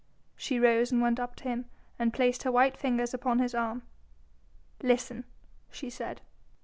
She rose and went up to him and placed her white fingers upon his arm. "Listen!" she said.